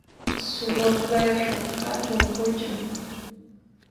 Suwa kayqa hatun huchan